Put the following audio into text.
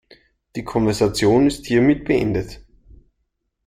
Die Konversation ist hiermit beendet.